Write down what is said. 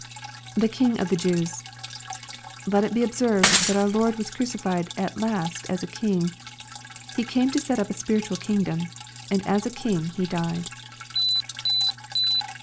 [The King of the Jews.'\ Let it be observed, that our Lord was crucified at last as a King. He came to set up a spiritual kingdom, and as a King He died.